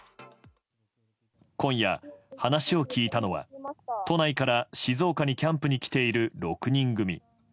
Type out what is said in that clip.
今夜、話を聞いたのは都内から静岡にキャンプに来ている６人組。